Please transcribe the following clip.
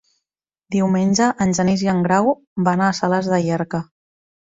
Diumenge en Genís i en Grau van a Sales de Llierca.